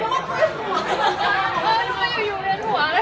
รำต่อเครื่องเตียงเลย